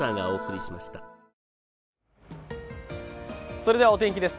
それではお天気です。